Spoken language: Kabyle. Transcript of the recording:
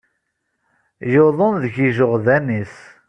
Yuḍen deg yijeɣdan-is.